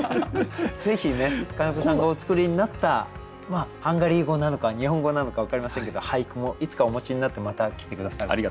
ぜひね金子さんがお作りになったハンガリー語なのか日本語なのか分かりませんけど俳句もいつかお持ちになってまた来て下さることを。